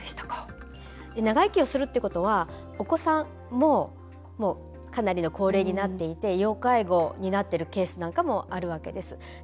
長生きをするということはお子さんがかなりの高齢で要介護になっているケースもあるわけです。